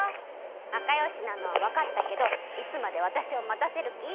なかよしなのはわかったけどいつまでわたしをまたせるき？